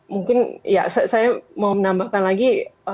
mungkin ya saya mau menambahkan lagi